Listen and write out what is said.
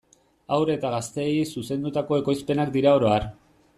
Haur eta gazteei zuzendutako ekoizpenak dira oro har.